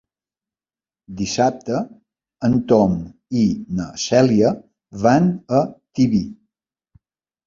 Dissabte en Tom i na Cèlia van a Tibi.